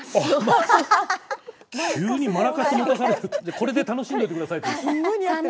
これで楽しんどいてくださいって。